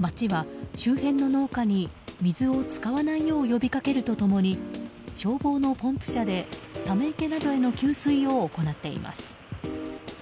街は周辺の農家に水を使わないよう呼びかけると共に消防のポンプ車でため池などへの給水を行っています。